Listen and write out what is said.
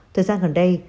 thời gian gần đây